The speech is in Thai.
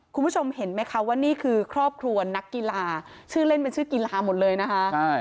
คุณผู้ชมเห็นไหมคะว่านี่คือครอบครัวนักกีฬาชื่อเล่นเป็นชื่อกีฬาหมดเลยนะคะใช่